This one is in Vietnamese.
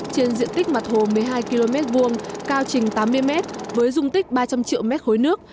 trên diện tích mặt hồ một mươi hai km vuông cao trình tám mươi mét với dung tích ba trăm linh triệu mét khối nước